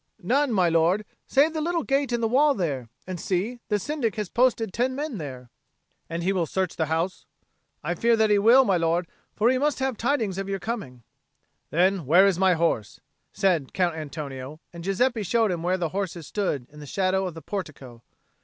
"None, my lord, save the little gate in the wall there; and see, the Syndic has posted ten men there." "And he will search the house?" "I fear that he will, my lord. For he must have tidings of your coming." "Then where is my horse?" said Count Antonio; and Giuseppe showed him where the horse stood in the shadow of the portico.